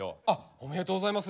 おめでとうございます！